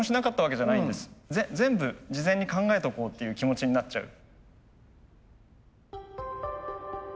全部事前に考えておこうっていう気持ちになっちゃう。